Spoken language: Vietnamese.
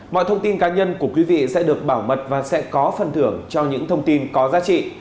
mọi thông tin cá nhân của quý vị sẽ được bảo mật và sẽ có phần thưởng cho những thông tin có giá trị